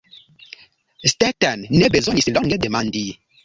Stetten ne bezonis longe demandi.